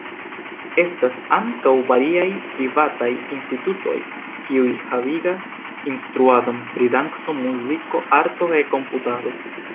Estas ankaŭ variaj privataj institutoj kiuj havigas instruadon pri danco, muziko, arto kaj komputado.